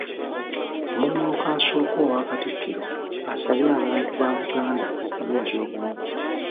Omumyuka asooka owa Katikkiro asabye abantu ba Buganda okunyweza obumu.